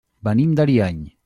Venim d'Ariany.